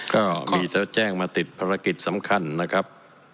ก็มีถ้าแจ้งมาติดภารกิจสำคัญนะครับ